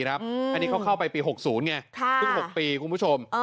อันนี้เขาเข้าไปปี๖๐ไงเพิ่ง๖ปีคุณผู้ชม